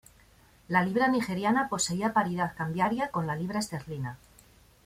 La libra nigeriana poseía paridad cambiaria con la libra esterlina.